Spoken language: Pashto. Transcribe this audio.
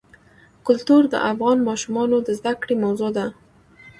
کلتور د افغان ماشومانو د زده کړې موضوع ده.